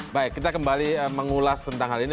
baik kita kembali mengulas tentang hal ini